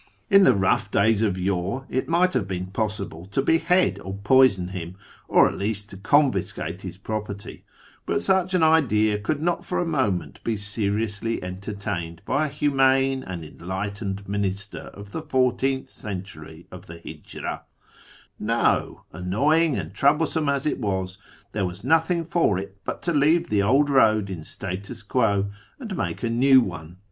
In the rough days of yore it might have been possible to behead or poison him, or at least to confiscate his property, but such an idea could not for a moment be seriously entertained by a humane and enlightened minister of the fourteenth century of the liijra ; no, annoying and trouble some as it was, there was nothing for it but to leave the old road in statu quo, and make a new one.